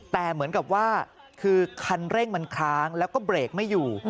แต่เหมือนกับว่าคือคันเร่งมันค้างแล้วก็เบรกไม่อยู่